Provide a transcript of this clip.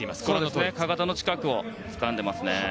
かかとの近くをつかんでいますね。